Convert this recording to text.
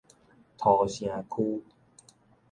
土城區